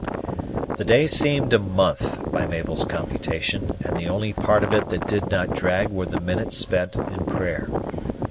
The day seemed a month by Mabel's computation, and the only part of it that did not drag were the minutes spent in prayer.